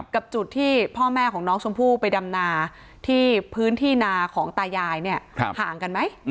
กับจุดที่พ่อแม่ของน้องชมพู่ไปดำนาที่พื้นที่นาของตายายเนี่ยห่างกันไหม